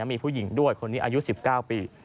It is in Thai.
มีผู้หญิงด้วยคนนี้อายุ๑๙ปี